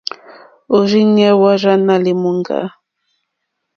Òrzìɲɛ́ hwá rzâ nà lìmùŋɡà.